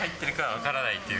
分からないっていう。